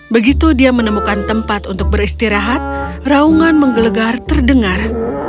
begitu dia menemukan tempat untuk beristirahat raungan menggelegar terdengar